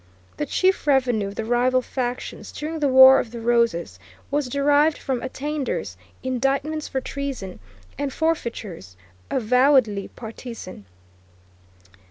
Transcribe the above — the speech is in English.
The chief revenue of the rival factions during the War of the Roses was derived from attainders, indictments for treason, and forfeitures, avowedly partisan.